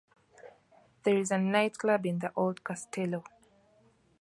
There is a night club in the old castello.